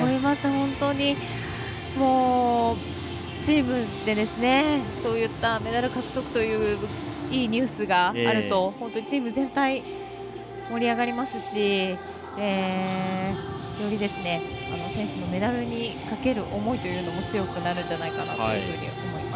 本当にチームでメダル獲得といういいニュースがあると本当にチーム全体が盛り上がりますしより選手のメダルにかける思いも強くなるんじゃないかと思います。